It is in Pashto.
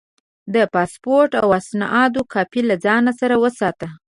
د پاسپورټ او اسنادو کاپي له ځان سره وساته.